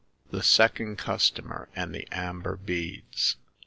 THE SECOND CUSTOMER AND THE AMBER BEADS.